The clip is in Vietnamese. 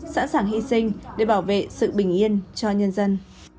sẵn sàng hy sinh để bảo vệ sự bình yên cho nhân dân